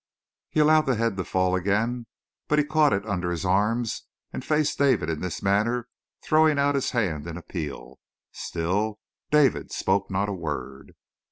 He allowed the head to fall again, but he caught it under his arms and faced David in this manner, throwing out his hand in appeal. Still David spoke not a word.